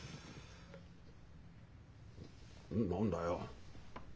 何だよ？